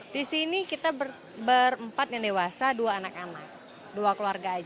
di sini kita berempat yang dewasa dua anak anak dua keluarga aja